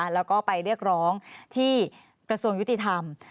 แล้วก็ไปเรียกร้องที่กระทรวงยุติธรรม